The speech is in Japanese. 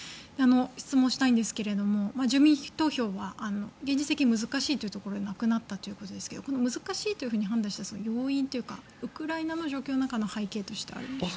質問したいんですけども住民投票は現実的に難しいということでなくなったということですが難しいと判断した要因というかウクライナの状況の中の背景としてあるんですか？